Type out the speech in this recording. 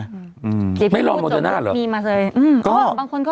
ยังไม่รอไม่มีมาจริง